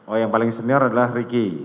oh yang paling senior adalah ricky